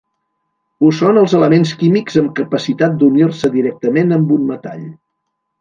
Ho són els elements químics amb capacitat d'unir-se directament amb un metall.